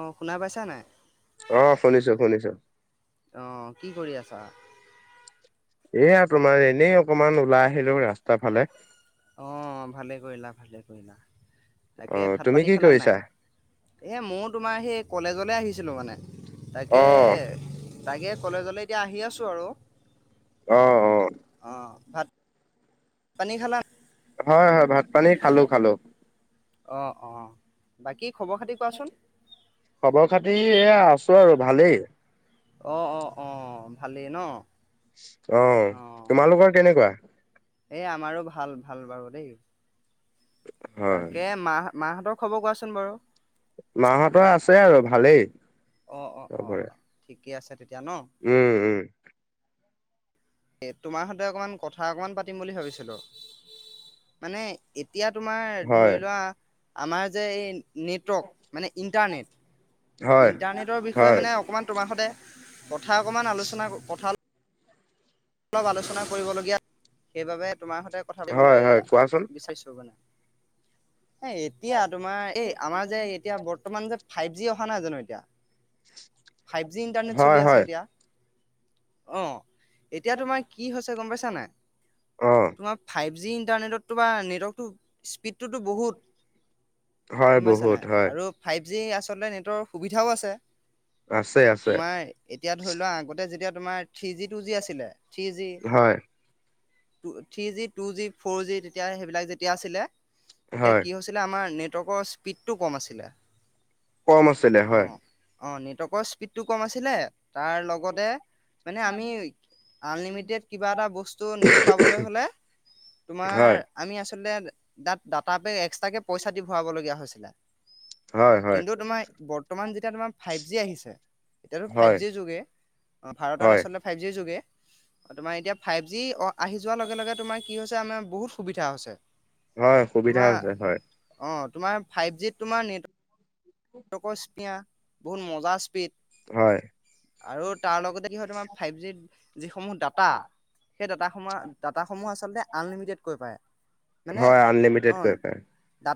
অ শুনা পাইছা নাই অহ, শুনিছো-শুনিছো। অ, কি কৰি আছা? এয়া তোমাৰ এনেই অকমান ওলাই আহিলো ৰাস্তা ফালে। অ, ভালে কৰিলা-ভালে কৰিলা। অহ, তুমি কি কৰিছা? এই মইয়ো তোমাৰ সেই কলেজলৈ আহিছিলোঁ মানে, তাকে অ তাকে কলেজলৈ এতিয়া আহি আছোঁ আৰু, অ অ অ, ভাত পানী খালা? হয়, হয়, ভাত পানী খালোঁ, খালোঁ। অ', অ, বাকী খবৰ খাতি কোৱাচোন খবৰ খাতি এয়া আছোঁ আৰু ভালেই। অ', অ, অ, ভালেই ন'? অ', তোমালোকৰ কেনেকুৱা? এ আমাৰো ভাল ভাল বাৰু দে। হয় তাকে মাহ-মাহঁতৰ খবৰ কোৱাচোন বাৰু। মাহঁতৰ আছে আৰু ভালেই। অ', অ, অ চবৰে ঠিকে আছে তেতিয়া ন। উম উম এ' তোমাৰ সতে অকমান কথা অকমান পাতিম বুলি ভাবিছিলো, মানে‌ এত এতিয়া তোমাৰ হয় ধৰি লোৱা আমাৰ যে এই নেটৱৰ্ক মানে, ইণ্টাৰনেট হয় ইন্টাৰনেটৰ বিষয়ে হয় মানে অকমান তোমাৰ সতে, কথা অকমান আলোচনা, কথা অলপ আলোচনা কৰিবলগীয়া, সেইবাবে তোমাৰ সতে কথা হয় পাতিবলৈ হয় কোৱাচোন বিচাৰিছো মানে। এ এতিয়া তোমাৰ, এই আমাৰ যে এতিয়া বৰ্তমান যে ফাইভ জি অহা নাই জানো এতিয়া, ফাইভ জি ইণ্টাৰনেট হয় চলি আছে হয় এতিয়া। অ', এতিয়া তোমাৰ কি হৈছে গম পাইছা নে নাই, অ তোমাৰ ফাইভ যি ইণ্টাৰনেটত তোমাৰ, নেটৱৰ্কতটো স্পীড সেইটোতো বহুত‌ হয় গম পাইছানে বহুত নাই হয় আৰু ফাইভ যি আচলতে নেটৰ সুবিধাও আছে, আছে আছে তোমাৰ এতিয়া ধৰি লোৱা আগতে যেতিয়া। তোমাৰ থ্ৰীজি টুজি আছিলে, থ্ৰী জি হয় থ্ৰীজি টুজি ফ'ৰজি তেতিয়া, সেইবিলাক যেতিয়া আছিলে তেতিয়া হয় কি হৈছিলে, আমাৰ নেটৱৰ্কৰ স্পীডটো কম আছিলে। কম আছিলে অ হয়। অ', নেটৱৰ্কৰ স্পীডটো কম আছিলে, তাৰ লগতে মানে আমি আনলিমিটেড কিবা এটা বস্তু নেট পাবলৈ হলে, তোমাৰ হয় আমি আচলতে দাটা পেক এক্সট্ৰাকে পইচা দি ভৰাবলগীয়া হৈছিলে। হয়। হয় কিন্তু তোমাৰ বৰ্তমান যেতিয়া তোমাৰ ফাইভ জি আহিছে, এতিয়াতো হয় ফাইভ জি যোগে অ', ভাৰতত হয় আচলতে ফাইভ জিৰ যোগে, তোমাৰ এতিয়া ফাইভ জি আহি যোৱাৰ লগে লগে তোমাৰ কি হৈছে, আমাৰ বহুত সুবিধা হৈছে। হয়, সুবিধা তোমাৰ হৈছে হয়। অ তোমাৰ ফাইভ জিত তোমাৰ, নেটৱৰ্ক বহুত মজা স্পীড হয় আৰু তাৰ লগতে কি হয়, তোমাৰ ফাইভ জিত যিসমূহ ডাটা, সেই ডাটাসমূহ আচলতে আনলিমিটেডকৈ পাই। হয়, আনলিমিটেড কয় পায়।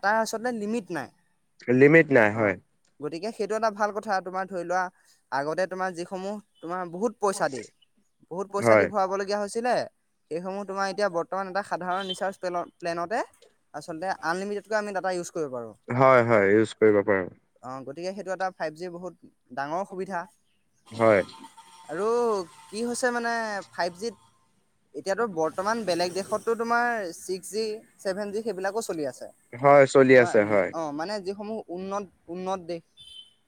তাৰ আচলতে, লিমিট নাই। লিমিট নাই অ', হয় গতিকে সেইটো এটা ভাল কথা তোমাৰ ধৰি লোৱা আগতে তোমাৰ যিসমূহ তোমাৰ বহুত পইচা দি বহুত পইচা হয় দি ভৰাবলগীয়া হৈছিলে। সেইসমূহ তোমাৰ এতিয়া বৰ্তমান এটা সাধাৰণ ৰিচাৰ্জ প্লেনতে আচলতে আনলিমিটেডকৈ আমি ডাটা ইউজ কৰিব পাৰোঁ। হয়, হয় ইউজ কৰিব পাৰো। অ' গতিকে সেইটো এটা ফাইভ জি বহুত ডাঙৰ সুবিধা হয়। আৰু কি হৈছে মানে ফাইভ জিত এতিয়াতো বৰ্তমান বেলেগ দেশ তটো তোমাৰ ছিক্স জি চেভেন জি সেইবিলাকো চলি আছে। হয় চলি আছে হয়। সমূহ উন্নত-উন্নত দেশ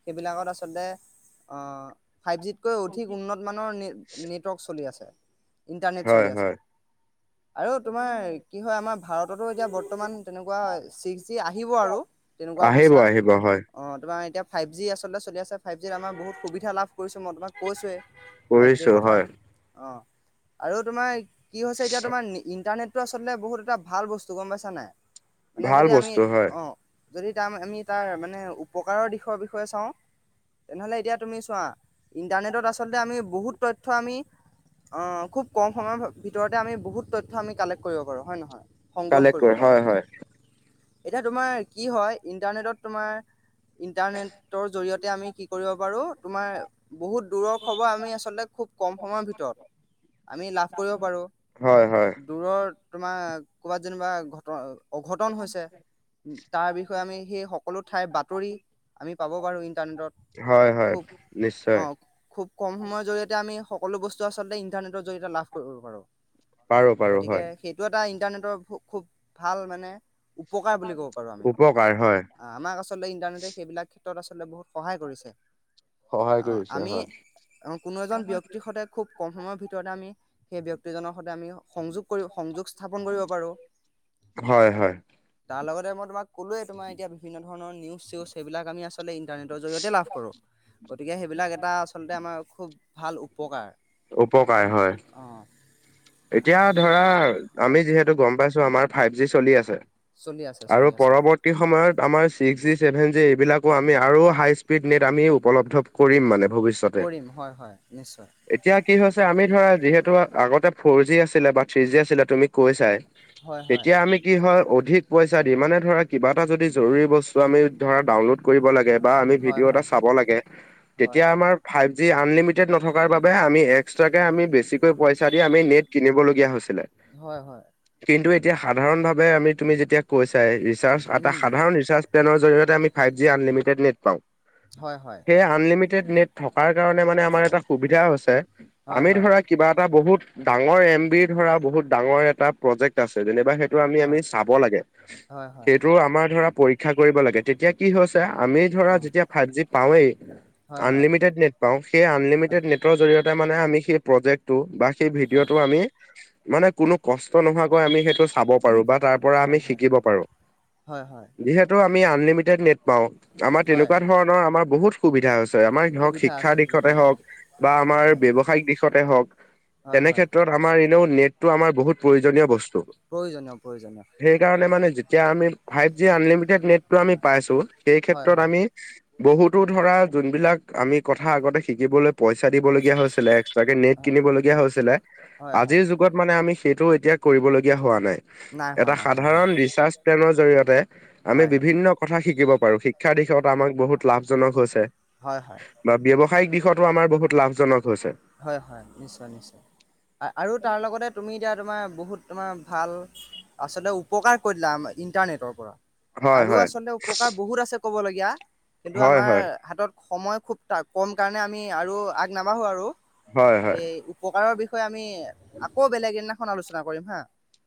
সেইবিলাকত আচলতে অ', ফাইভ জিত কৈ অধিক উন্নত মানুহৰ নেটৱৰ্ক চলি আছে। ইণ্টাৰনেট হয় চলি আছে। হয় আৰু তোমাৰ কি হয় আমাৰ ভাৰততো এতিয়া বৰ্তমান তেনেকুৱা ছিক্স জি আহিব আৰু তেনেকুৱা আহিব অৱস্থা আহিব হয় অ', তোমাৰ এতিয়া ফাইভ জি আচলতে চলি আছে ফাইভ জিত আমাৰ বহুত সুবিধা লাভ কৰিছো মই তোমাক কৈছোৱয়েই। ফাইভ কৰিছো জিৰ কথা হয় অ, আৰু তোমাৰ কি হৈছে এতিয়া তোমাৰ ইণ্টাৰনেট টো আচলতে বহুত এটা ভাল বস্তু গম পাইছা নাই। মানে ভাল যদি আমি বস্তু হয়। অ' যদি তাৰ আমি তাৰ মানে উপকাৰৰ দিশৰ বিষয়ে চাওঁ তেনেহ'লে এতিয়া তুমি চোৱা, ইণ্টাৰনেটত আচলতে আমি বহুত তথ্য আমি অ', খুব কম সময়ৰ ভিতৰতে আমি বহুত তথ্য আমি কালেক্ট কৰিব পাৰোঁ, হয় নহয়? সংগ্ৰহ কালেক্ট কৰিব কৰে পাৰোঁ। হয়, হয়, এতিয়া তোমাৰ কি হয় ইণ্টাৰনেটত তোমাৰ, ইণ্টাৰনেটৰ জৰিয়ত তে আমি কি কৰিব পাৰোঁ তোমাৰ বহুত দূৰৰ খবৰ আমি আচলতে খুব কম সময়ৰ ভিতৰত, আমি লাভ কৰিব পাৰোঁ। হয় হয় দূৰৰ তোমাৰ ক'ৰবাত যেনিবা ঘটন অঘটন হৈছে, তাৰ বিষয়ে আমি সেই [unintelligible] ঠাইৰ বাতৰি, আমি পাব পাৰোঁ ইন্টাৰনেটত। হয় হয় খুব, নিশ্চয় অ, খুব কম সময়ৰ জৰিয়তে আমি সকলো বস্তু আচলতে ইণ্টাৰনেটৰ জতিয়ে লাভ কৰিব পাৰোঁ, পাৰো পাৰো গতিকে হয় সেইটো এটা ইটাৰনেটৰ খু-খুব ভাল মানে, উপকাৰ বুলি ক'ব পাৰোঁ আমি। উপকাৰ হয় আহ আমাক আচলতে ইণ্টাৰনেটে সেইবিলাক ক্ষেত্ৰত আচলতে বহুত সহায় কৰিছে। সহায় আহ কৰিছে আমি হয়। কোনো এজন ব্যক্তিৰ সৈতে খুব কম সময়ৰ ভিতৰতে আমি সেই ব্যক্তিজনৰ সৈতে আমি সংযোগ কৰি। সংযোগ স্থাপন কৰিব পাৰো। হয়-হয়। যে মই তোমাক কলোৱে তোমাৰ এতিয়া বিভিন্ন ধৰণ নিউ চউজ সবিলাক আমি আছো আচলতে ইণ্টাৰনেটৰ জৰিয়তে লাভ কৰোঁ গতিকে সেইবিলাক এটা আচলতে আমাৰ খুব ভাল উপকাৰ। উপকাৰ হয়। অ' এতিয়া ধৰা আমি হয় যিহেতু গম পাইছো আমাৰ ফাইভ জি চলি আছে। চলি আছে আৰু চলি আছে পৰৱৰ্তী সময়ত আমাৰ ছিক্স জি চেভেন জি এইবিলাকো আমি আৰু হাই স্পীড নেট আমি উপলব্ধ কৰিম মানে। ভৱিষয়তে কৰিম হয় হয় নিশ্চয় এতিয়া কি হৈছে আমি ধৰা যিহেতু আগতে ফৰ জি আছিলে বা থ্ৰী জি আছিলে তুমি কৈ চাই হয় হয় তেতিয়া আমি কি হয় অধিক পইচা দি মানে ধৰা কিবা এটা যদি জৰুৰী বস্তু আমি ধৰা ডাউনলোড কৰিব লাগে বা আমি হয় ভিডিঅ' এটা হয় চাব লাগে হয়। তেতিয়া আমাৰ যি আনলিমিটেড নথকাৰ বাবে আমি এক্সট্ৰাকৈ আমি বেছিকৈ পইচা দি আমি নেট কিনিবলগীয়া হৈছিলে। হয়-হয়। কিন্তু এতিয়া সাধাৰণভাৱে আমি তুমি যেতিয়া কৈছাই ৰিচাৰ্চ এটা উম সাধাৰণ ৰিচাৰ্চ টেনৰ জৰিয়তে আমি ফাইভ জি আনলিমিটেড নেট পাওঁ হয় হয় সেই আনলিমিটেড নেট থকাৰ কাৰণে মানে আমাৰ এটা সুবিধা হৈছে হয় আমি হয় ধৰা কিবা এটা বহুত ডাঙৰ এম বি ধৰা বহুত ডাঙৰ এটা প্ৰজেক্ট আছে যেনিবা সেই টো আমি আমি হয় চাব লাগে হয় হয় সেইটো আমাৰ ধৰা পৰীক্ষা কৰিব লাগে তেতিয়া কি হৈছে আমি ধৰা অ যেতিয়া ভাতজি পাওঁৱেই হয় হয় আনলিমিেড নেট পাওঁ সেই হয় আনলিমিটেড নেটৰ জৰিয়তে মানে আমি সেই প্ৰজেক্টটো বা সেই ভিডিঅ টো আমি মানে কোনো কষ্ট নোহোৱাকৈ আমি সেইটো চাব পাৰো বা তাৰ পৰা আমি হয় হয় শিকিব পাৰো। হয় হয় হয় যিহেতু আমি আনলিমিটেড নেট পাওঁ আমাৰ হয় তেনেকুৱা ধৰণৰ আমাৰ বহুত সুবিধা হৈছে। আমাৰ হক সুবিধা শিক্ষা আছে সুবিধা দিশতে আছে হওক বা আমাৰ হয় ব্যৱসায়িক দিশতে হক হয় হয় তেনেক্ষেত্ৰত আমাৰ এনেও নেটতটো আমাৰ বহুত প্ৰয়োজন প্ৰয়োজনীয় বস্তু প্ৰয়োজনীয় প্ৰয়োজনীয় সেইকাৰণে মানে যেতিয়া আমি ফাইভ জি আনলিমিটেড নেটটো আমি পাইছো সেই হয় ক্ষেত্ৰত হয় আমি বহুতো ধৰা যোনবিলাক আমি কথা আগতে শিকিবলৈ পইচা দিবলগীয়া হৈছিলে এক্সট্ৰাকে নেট কিনিব লগীয়া হৈছিলে হয় হয় আজিৰ যুগত মানে আমি সেইটো এতিয়া কৰিবলগীয়া হোৱা নাই। নাই হোৱা এটা নাই হোৱা হয় সাধাৰণ ৰিচাৰ্চ প্লেনৰ জৰিয়তে আমি হয় বিভিন্ন কথা শিকিব পাৰো শিক্ষাৰ দিশত আমাক বহুত লাভজনক হৈছে হয় হয় বা ব্যৱসায়িক দিশতো আমাৰ বহুত লাভজনক হৈছে হয়-হয়, নিশ্চয়-নিশ্চয় আৰু তাৰ লগতে তুমি এতিয়া তোমাৰ তোমাৰ বহুত তোমাৰ ভাল আচলতে উপকাৰ কৰি দিলে ইণ্টাৰনেটৰ পৰা। হয় আৰু হয় আচলতে উপকাৰ বহুত আছে ক'বলগীয়া কিন্তু হয় আমাৰ হয় হাতত সময় খুবটা কম কাৰণে আমি আৰু আগ নাবাঢ়ো আৰু হয় হয় এই উপকাৰৰ বিষয়ে বিষয় আমি আকৌ বেলেগ দিনাখন আলোচনা কৰিম হা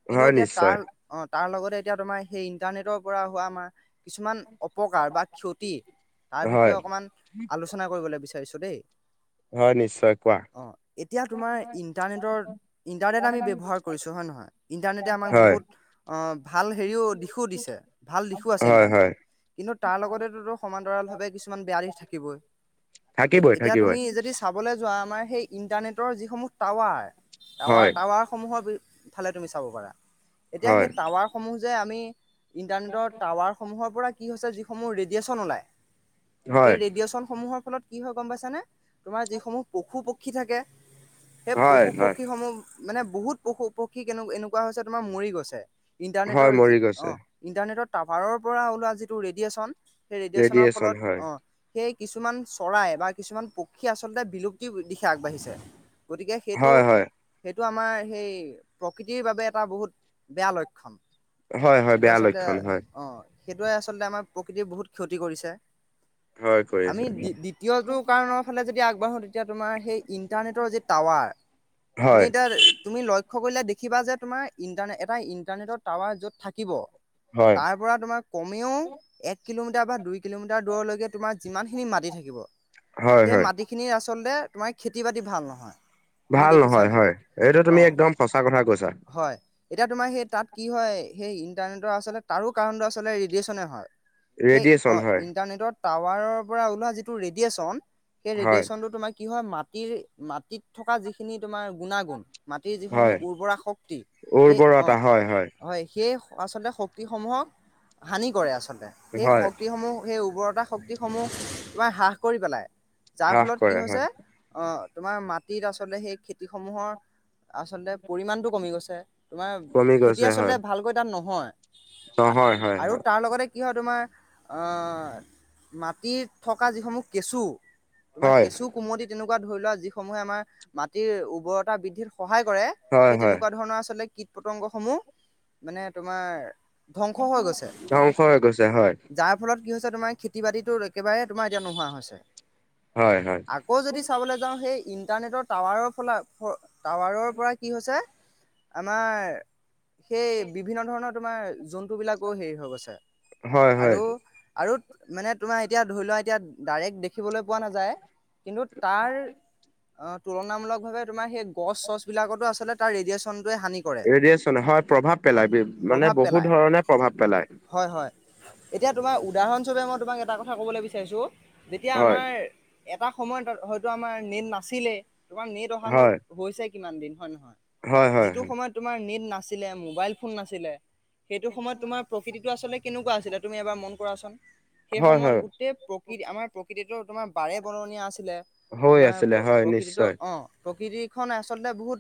কিন্তু হয় এতিয়া তাৰ নিশ্চয় অ তাৰ লগতে এতিয়া তোমাৰ সেই ইণ্টাৰনেটৰ পৰা হোৱা আমাৰ কিছুমান অপকাৰ বা ক্ষতি তাৰ হয় বিষয়ে অকণমান আলোচনা কৰিবলৈ বিচাৰিছোঁ দেই হয় নিশ্চয় কোৱা অ এতিয়া তোমাৰ ইণ্টাৰনেটৰ ইন্টাৰনেট আমি ব্য্ৱহাৰ কৰিছো হয় নহয় ইণ্টাৰনেটে আম আমাক হয় বহুত ভাল হেৰিও দিশো দিছে ভাল দিশো আছে হয় হয় ইন্টাৰনেটত কিন্তু তাৰ লগতেোো সমান্তৰাল ভাৱে কিছুমান বেয়া দিি থাকিবই থাকিবই এতিয়া থাকিবই তুমি যদি চাবলৈ োৱা আমাৰ সেই ইন্টাৰনেটৰ যিসমূহ টাৱাৰ টাৱাৰ হয় টাৱাৰ সমূহৰ বি ফালে তুমি চাব পাৰা এতিয়া হয় সেই টাৱাৰসমূহ যে আমি ইণ্টাৰনেটৰ টাৱাৰসমূহৰ পৰা কি হৈছে যিসমূহ ৰেডিয়েশচন ওলায় সেই হয় ৰেডিয়েচন সমূহৰ ফলত কি হয় গম পাইছানে তোমাৰ যিসমূহ পশু পক্ষী থাকে সেই হয় পশু হয় পক্ষীসমূহ মানে বহুত পশু পক্ষী কেনে এনেকুৱা হৈছে তোমাৰ মৰি গছে ইণ্টাৰনেটৰ হয় মৰি অ গৈছে ইণ্টাৰনেটৰ টভাৰৰ পৰা ওলোৱা যিটো ৰেডিয়েচন সেই ৰেডিয়েচনৰ ৰেডিয়েচন ফলত হয় অ সেই কিছুমান চৰাই বা কিছুমান পক্ষী আচলতে বিলুপ্তি আগবাঢ়িছে গতিকে সেইটো হয় হয় টো আমাৰ সেই প্ৰকৃতিৰ বাবে এটা বহুত বেয়া লক্ষণ হয় হয় সেইটো বেয়া আচলতে লক্ষণ হয় অ' সেইটোৱে আচলতে আমাৰ প্ৰকৃতিয় বহুত ক্ষতি কৰিছে হয় আমি কৰিছে দ্বিতীয়টো কাৰণৰ ফালে যদি আগবাঢ়ো [unintelligible] হয় লক্ষ্য কৰিলে দেখিবা যে তোমাৰ ইণ্টাৰনে এটা ইন্টাৰনেটৰ টাৱাৰ য'ত থাকিব হয় তাৰ পৰা তোমাৰ কমেও এক কিলোমিটাৰ বা দুই কিলোমিটাৰ দূৰলৈকে তোমাৰ যিমানখিনি মাটি থাকিব হয় সেই হয় মাটিখিনিৰ আচলতে তোমাৰ খেতি বাতি ভাল নহয় তুমি ভাল দেখিছা নহয় নাই হয় এইটো অ তুমি একদম সঁচা কথা কৈছা হয় এতিয়া তোমাৰ সেই তাত কি হয় সেই ইন্টাৰনেটৰ আচলতে তাৰো কাৰণটো আল ৰেডিয়েচনে হয় সেই ৰেডিয়েচন অ হয় ইণ্টাৰনেটৰ টাৱাৰৰ পৰা ওলোৱা যিটো ৰেডিয়েচন সেই হয় ৰেডিয়েচনটো তোমাৰ কি হয় মাটিৰ মাটিত থকা যিখিনি তোমাৰ গুণাগুণ মাটিৰ যিসমূহ হয় উৰ্বৰা শক্তি সেই উৰ্বৰতা অঁ হয় হয় সেই আচলতে শক্তিসমূহক হানি কৰে আচলতে সেই হয় শক্তিসমূহ সেই উৰ্বৰতা শক্তিসমূহ ত হ্ৰাস কৰি পেলাই যাৰ হ্ৰাস ফলত কি কৰে হয় হৈছে তোমাৰ মাটিত আচলতে সেই খে খেতিসমূহৰ আচলতে পৰিমণটো কমি গৈছে তোমাৰ কমি খেতি গৈছে আচলতে হয় ভালকৈ তাত ন হয় নহয় হয় আৰু হয় তাৰ লগতে কি হয় তোমাৰ মাটিত থকা যিসমূহ কেঁচু তোমাৰ হয় কেঁচু কুমতি তেনেকুৱা ধৰি লোৱা যিসমূহে আমাৰ মাটিৰ উৰ্বৰতা বৃদ্ধিত সহায় কৰে হয় সেই হয় তেনেকুৱা ধৰণৰ আচলতে কীট পতংগসমূহ মানে তোমাৰ ধ্বংস হৈ গৈছে ধ্বংস হৈ গৈছে হয় যাৰ ফলত কি হৈছে তোমাৰ খেতি বাতিতো একেবাৰে তোমাৰ এতিয়া নোহোৱা হৈছে হয় হয় আকৌ যদি চাবলৈ যাওঁ সেই ইণ্টাৰনেটৰ টাৱাৰৰ ফল টাৱাৰৰ পৰা কি হৈছে আমাৰ সেই বিভিন্ন ধৰণৰ তোমাৰ যোন ফুবিলাকো হেৰি হৈ গৈছে হয় হয় আৰু আৰু মানে তোমাৰ এতিয়া ধৰি লোৱা এতিয়া ডাইৰেক্ট দেখিবলৈ পোৱা নাযায় কিন্তু তাৰ অ তুলনামূলক ভাৱে তোমাৰ সেই গছ চছ বিলাকতো আচলতে তাৰ ৰেডিয়েচন ৰেডিয়েচনে হয় প্ৰভাৱ পেলাই মানে প্ৰভাৱ বহুত পেলায় ধৰণে প্ৰভাৱ পেলায় হয় হয়। এতিয়া তোমাৰ উদাহৰণস্বূপে মই তোমাক এটা কথা ক'বলৈ বিচাৰিছো যেতিয়া হয় আমাৰ এটা সময়ত ত হয়তো আমাৰ নেট নাছিলে তোমাৰ নেট অহাো হয় হৈছে কিমান দিন হয় নহয়। হয় হয় যিটো সময়ত তোমাৰ নেট নাছিলে মোবাইল ফোন নাছিলে সেইটো সময়ত তোমাৰ প্ৰকৃতি আচলতে কেনেকুৱা আছিলে তুমি এবাৰ মন কৰাচোন সেই হয় সময়ত হয় গোটেই প্ৰকৃতি আমাৰ প্ৰকৃতিতো তোমাৰ পাৰে বৰণীয়া আছিলে হৈ তোমাৰ আছিলে প্ৰ হয় প্ৰকৃতিটো নিশ্চয় অ, প্ৰকৃতিখন আচলতে বহুত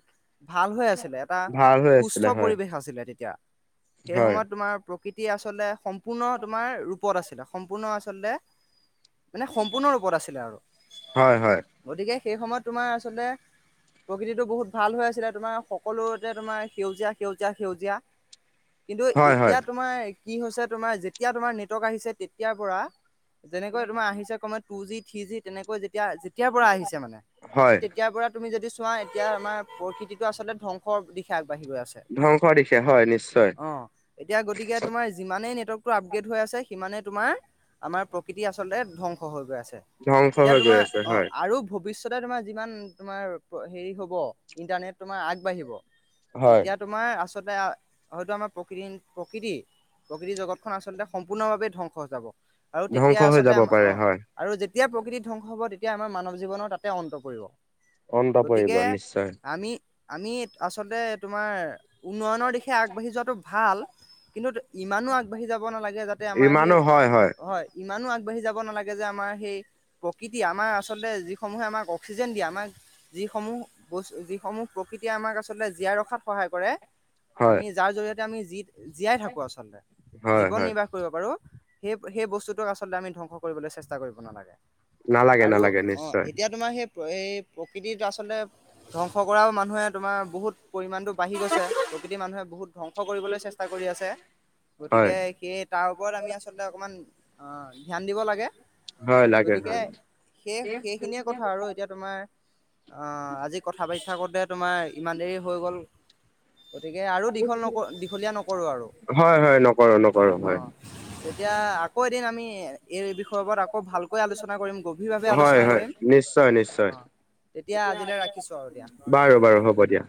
ভাল হৈ আছিলে এটা ভাল হৈ সুস্থ আছিলে হয় পৰিৱেশ আছিলে তেতিয়া সেই হয় সময়ত তোমাৰ প্ৰকৃতি আচলতে সম্পূৰ্ণ তোমাৰ ৰূপত আছিলে সম্পূৰ্ণ আচলতে মানে সম্পূৰ্ণ ৰূপত আছিলে আৰু হয় হয় গতিকে সেই সময়ত তোমাৰ আচলতে প্ৰকৃতিটো বহুত ভাল হৈ আছিলে তোমাৰ সকলোতে তোমাৰ সেউজীয়া - সেউজীয়া- সেউজীয়া। কিন্তু হয় এতিয়া হয় তোমাৰ কি হৈছে তোমাৰ যেতিয়া তোমাৰ নেটৱৰ্ক আহিছে তেতিয়াৰ পৰা। যেনেকৈ তোমাৰ আহিছে কমত টু জি থ্ৰী জি তেনেকৈ যে তেতিয়া যেতিয় পৰা আহিছে মানে সেই হয় তেতিয়াৰ পৰা তুমি যদি চোৱা এতিয়া আমাৰ প্ৰকৃতি আচলতে ধ্বংসৰ দিশা। বাঢ়ি গৈ আছে ধ্বংসৰ দিশে হয় নিশ্চয় অ, এতিয়া গতিকে তোমাৰ যিমানেই আপগ্ৰেড হৈ আছে সিমানে তোমাৰ আমাৰ প্ৰকৃতি আচলতে ধ্বংস হৈ গৈ আছে। ধ্বংস এতিয়া হৈ গৈ তোমাৰ আছে অ হয়। আৰু ভবিষ্যত তে তোমাৰ যিমান তোমাৰ হেৰি হ'ব ইণ্টাৰনেট তোমাৰ আগবাঢ়িব। হয়। তেতিয়া তোমাৰ আচলতে হয়তো আমাৰ প্ৰকৃতি - প্ৰকৃতি প্ৰকৃতি জগতখন আচলতে সম্পূৰ্ণভাৱে ধ্বংস হৈ যাব আৰু ধ্বংস তেতিয়া হৈ আচলতে যাব অ, পাৰে হয়, আৰু যে যেতিয়া প্ৰকৃতি ধ্বংস হ'ব তেতিয়া আমাৰ মানৱ জীৱনৰ তাতে অন্ত পৰিব। অন্ত পৰিব গতিকে নিশ্চয়। আমি আমি আচলতে তোমাৰ উন্নয়নৰ দিশে আগবাঢ়ি যোৱাটো ভাল কিন্তু। ইমানো আগবাঢ়ি যাব নালাগে যাতে আমাৰ সেই ইমানো হয় হয় ইমানো আগবাঢ়ি যাব নালাগে যে আমাৰ সেই প্ৰকৃতি আমাৰ আচলতে যিসমূহে আমাক অক্সিজেন দিয়ে আমাক যিসমূহ বস্তু যিসমূহ প্ৰকৃতিয়ে আমাক আচলতে জীয়াই ৰখাত সহায় কৰে। হয় আমি যাৰ জৰিয়তে আমিি জীয়াই থাকো আচলতে হয় জীৱন হয় নিৰ্বাহ কৰিব পাৰো। সেই - সেই বস্তুতোক আচলতে আমি ধ্বংস কৰিবলৈ চেষ্টা কৰিব নালাগে। নালাগে আৰু নালাগে অ, নিশ্চয় এতিয়া তোমাৰ সেই এই প্ৰকৃতিত আচলতে ধ্বংস কৰাও মানুহে তোমাৰ বহুত পৰিমাণটো। বাঢ়ি গৈছে যোগেদি মানুহে বহুত ধ্বংস কৰিবলৈ চেষ্টা কৰি আছে। হয়। গতিকে, সেই তাৰ ওপৰত আমি আচলতে অকমান আহ ধ্যান দিব লাগে। হয় লাগে গতিকে, হয় সেই সেইখিনিয়ে কথা আৰু এতিয়া তোমাৰ আহ, আজি কথা পাতো থাকোতে তোমাৰ ইমান দেৰি হৈ গ'ল। গতিকে, আৰু দীঘল ন দীঘলীয়া নকৰো আৰু হয় হয় নকৰো নকৰো অ, হয় এতিয়া আকৌ এদিন আমি এই বিষয় ওপৰত আকৌ ভাল ভালকৈ আলোচনা কৰিম গভীৰভাৱে আলোচনা কৰিম। অ, তেতিয়া আজিলৈ ৰাখিছোঁ আৰু দিয়া। বাৰু-বাৰু হ'ব দিয়া।